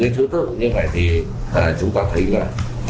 cái chất thứ tư như vậy thì chúng ta thấy là